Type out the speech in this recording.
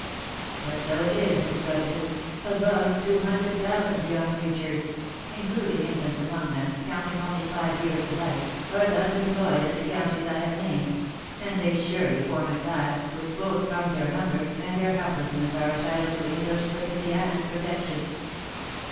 " But so it is, Miss Brotherton. Above two hundred thousand young creatures, including infants among them, counting only five years of life, are thus employed in the counties I have named ; and they surely form a class, which both from their numbers, and their helplessness are entitled to English sympathy and protection